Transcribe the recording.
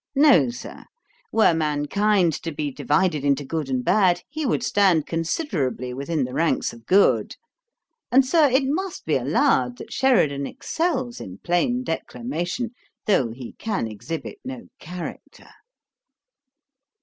No, Sir; were mankind to be divided into good and bad, he would stand considerably within the ranks of good. And, Sir, it must be allowed that Sheridan excels in plain declamation, though he can exhibit no character.'